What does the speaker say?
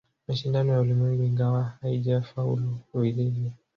Mashindano ya Ulimwengu ingawa haijafaulu vilivyo